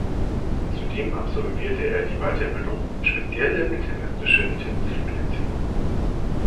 Zudem absolvierte er die Weiterbildung „Spezielle Internistische Intensivmedizin“.